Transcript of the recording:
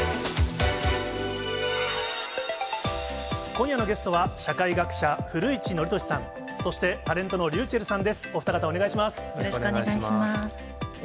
今夜のゲストは、社会学者、古市憲寿さん、そしてタレントのｒｙｕｃｈｅｌｌさんです。